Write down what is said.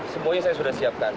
semuanya saya sudah siapkan